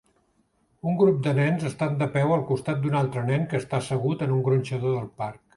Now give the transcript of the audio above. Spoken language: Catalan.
un grup de nens estan de peu al costat d'un altre nen que està assegut en un gronxador del parc.